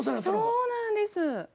そうなんです。